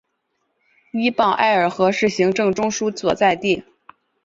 依傍艾尔河是行政中枢所在地。